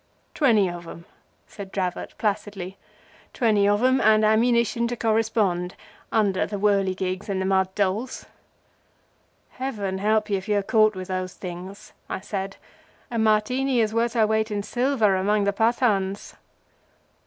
"Twenty of 'em," said Dravot, placidly. "Twenty of 'em, and ammunition to correspond, under the whirligigs and the mud dolls." "Heaven help you if you are caught with those things!" I said. "A Martini is worth her weight in silver among the Pathans."